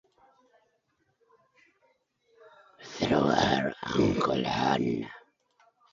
Through her uncle Hon.